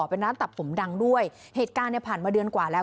เป็นร้านตัดผมดังด้วยเหตุการณ์เนี่ยผ่านมาเดือนกว่าแล้ว